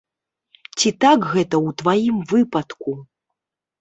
Ці так гэта ў тваім выпадку?